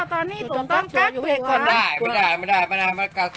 ตอนนี้ตัวต้องกลับไปดีกว่า